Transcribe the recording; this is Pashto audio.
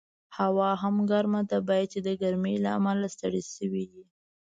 هوا هم ګرمه ده، باید چې د ګرمۍ له امله ستړی شوي یې.